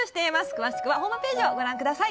詳しくはホームページをご覧ください